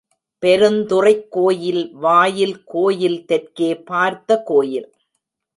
பெருந்துறைக் கோயில்வாயில் கோயில் தெற்கே பார்த்த கோயில்.